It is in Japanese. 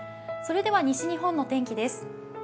それでは西日本の天気です。